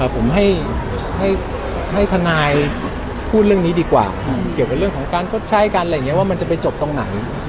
ผมให้ทนายพูดเรื่องนี้ดีกว่าเกี่ยวกับเรื่องของการชดใช้กันอะไรอย่างนี้ว่ามันจะไปจบตรงไหน